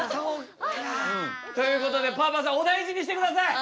ということでパーパーさんお大事にしてください。